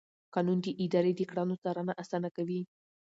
قانون د ادارې د کړنو څارنه اسانه کوي.